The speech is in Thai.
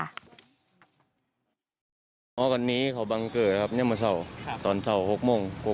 อีกหนึ่งคนคือคุณเกดติชัยศรีวิชานะคะ